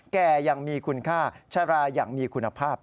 แก่ยังมีคุณค่าชะลาอย่างมีคุณภาพ